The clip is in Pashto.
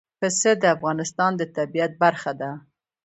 پسه د افغانستان د طبیعت برخه ده.